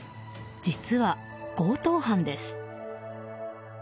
実は強盗犯です。